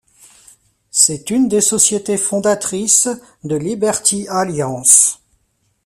C'est une des sociétés fondatrices de Liberty Alliance.